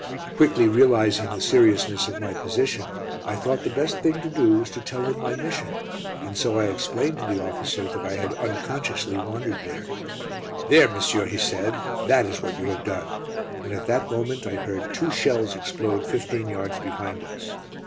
Quickly realising the seriousness of my position, I thought the best thing to do was to tell him my mission, and so I explained to the officer that I had unconsciously wandered there. "There, monsieur," he said, "that is what you have done," and at that moment I heard two shells explode fifteen yards behind us.